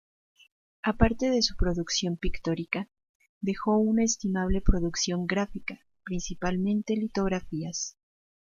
Aparte de su producción pictórica, dejó una estimable producción gráfica, principalmente litografías.